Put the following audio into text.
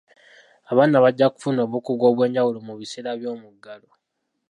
Abaana bajja kufuna obukugu obw'enjawulo mu biseera by'omuggalo.